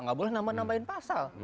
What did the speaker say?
nggak boleh nambah nambahin pasal